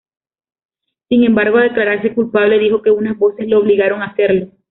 Sin embargo, al declararle culpable, dijo que unas voces lo obligaron a hacerlo.